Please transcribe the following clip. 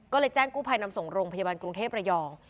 ก็เลยแจ้งกู้ภัยนำส่งโรงพยาบาลกรุงเทพระยอง